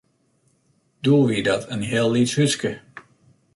Doe wie dat in heel lyts húske.